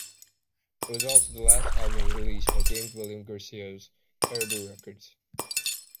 It was also the last album released by James William Guercio's Caribou Records.